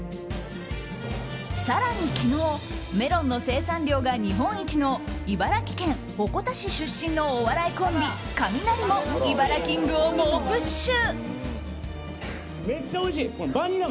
更に昨日メロンの生産量が日本一の茨城県鉾田市出身のお笑いコンビ、カミナリもイバラキングを猛プッシュ。